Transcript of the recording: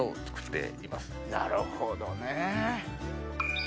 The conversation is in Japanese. なるほどね。